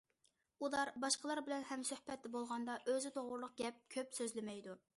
ئۇلار باشقىلار بىلەن ھەمسۆھبەتتە بولغاندا، ئۆزى توغرۇلۇق كۆپ سۆزلىمەيدۇ.